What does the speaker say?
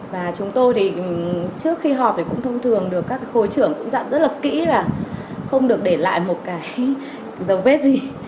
và chúng tôi thì trước khi họp thì cũng thông thường được các khối trưởng cũng dạng rất là kỹ và không được để lại một cái dấu vết gì